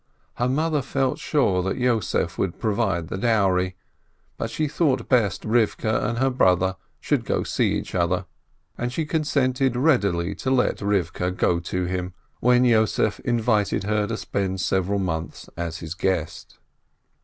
Her mother felt sure that Yossef would provide the dowry, but she thought best Rivkeh and her brother should see each other, and she consented readily to let Rivkeh go to him, when Yossef invited her to spend several months as his guest.